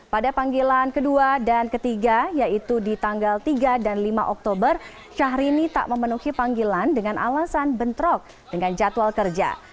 pada panggilan kedua dan ketiga yaitu di tanggal tiga dan lima oktober syahrini tak memenuhi panggilan dengan alasan bentrok dengan jadwal kerja